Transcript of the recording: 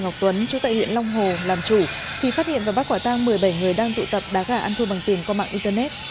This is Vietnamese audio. ngọc tuấn chủ tại huyện long hồ làm chủ thì phát hiện và bắt quả tang một mươi bảy người đang tụ tập đá gà ăn thua bằng tiền qua mạng internet